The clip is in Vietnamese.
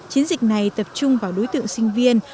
chiến dịch này tập trung vào đối tượng sinh viên